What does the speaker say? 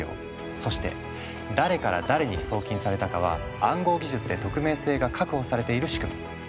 そして誰から誰に送金されたかは暗号技術で匿名性が確保されている仕組み。